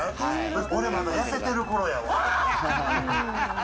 俺、まだ痩せてるころやん。